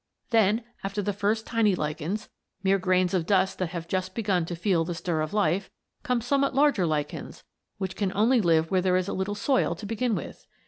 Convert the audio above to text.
Then, after the first tiny lichens mere grains of dust that have just begun to feel the stir of life come somewhat larger lichens which can only live where there is a little soil to begin with.